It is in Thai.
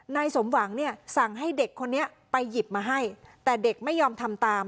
นายสมหวังเนี่ยสั่งให้เด็กคนนี้ไปหยิบมาให้แต่เด็กไม่ยอมทำตาม